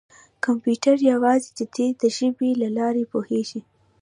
کمپیوټر یوازې د دې ژبې له لارې پوهېږي.